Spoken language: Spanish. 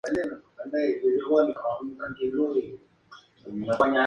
Nuño de Guzmán huyó, llegando sano y salvo a Sinaloa, al año siguiente.